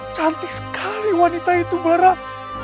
cantik sekali wanita itu berat